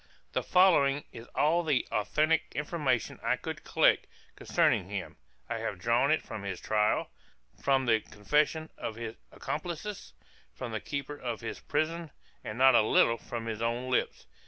The following is all the authentic information I could collect concerning him. I have drawn it from his trial, from the confession of his accomplices, from the keeper of his prison, and not a little from his own lips.